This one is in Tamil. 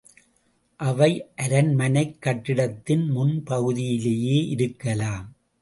அவை அரண்மனைக் கட்டிடத்தின் முன் பகுதியிலேயே இருக்கலாம்.